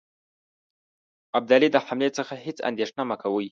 ابدالي د حملې څخه هیڅ اندېښنه مه کوی.